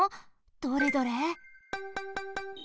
どれどれ。